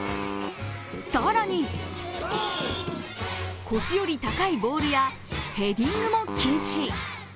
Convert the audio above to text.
更に腰より高いボールやヘディングも禁止。